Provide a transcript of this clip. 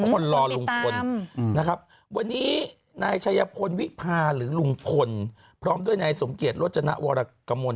คนรอลุงพลนะครับวันนี้นายชัยพลวิพาหรือลุงพลพร้อมด้วยนายสมเกียจรจนวรกมล